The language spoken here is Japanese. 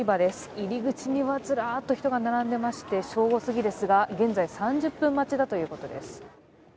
入り口にはずらっと人が並んでいまして、正午過ぎですが現在３０分待ちだということです。